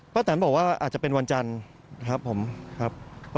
พระตานบอกว่าอาจจะเป็นวันจันทร์